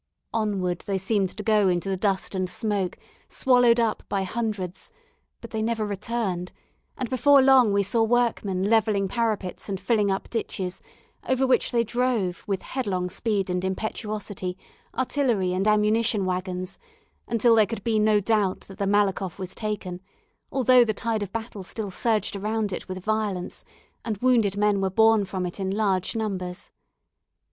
Onward they seemed to go into the dust and smoke, swallowed up by hundreds; but they never returned, and before long we saw workmen levelling parapets and filling up ditches, over which they drove, with headlong speed and impetuosity, artillery and ammunition waggons, until there could be no doubt that the Malakhoff was taken, although the tide of battle still surged around it with violence, and wounded men were borne from it in large numbers.